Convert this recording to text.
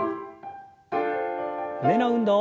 胸の運動。